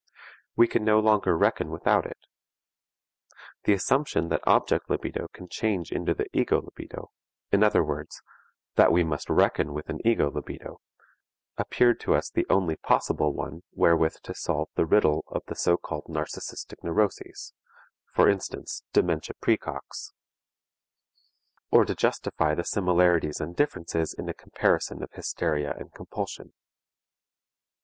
We can no longer reckon without it. The assumption that object libido can change into the ego libido, in other words, that we must reckon with an ego libido, appeared to us the only possible one wherewith to solve the riddle of the so called narcistic neuroses for instance, dementia praecox or to justify the similarities and differences in a comparison of hysteria and compulsion.